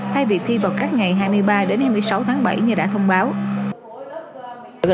thay vì thi vào các ngày hai mươi ba đến hai mươi sáu tháng bảy như đã thông báo